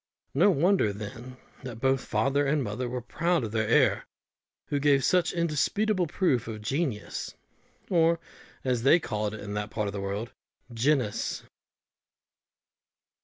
No wonder, then, that both father and mother were proud of their heir, who gave such indisputable proofs of genius, or, as they called it in that part of the world, "genus."